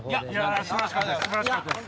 素晴らしかったです。